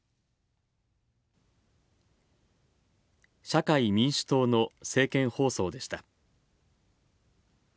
社会民主党の政見放送でした。